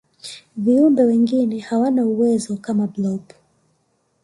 viumbe wengine hawana uwezo kama blob